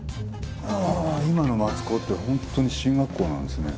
今の松高って本当に進学校なんですね。